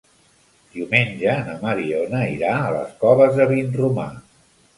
Diumenge na Mariona irà a les Coves de Vinromà.